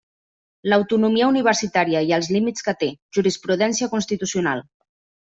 L'autonomia universitària i els límits que té: jurisprudència constitucional.